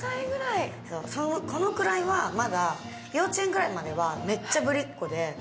このくらいはまだ、幼稚園ぐらいまではめっちゃ、ぶりっ子で。